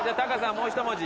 もう１文字。